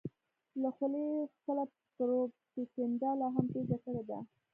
له خولې خپله پروپیګنډه لا هم تېزه کړې ده.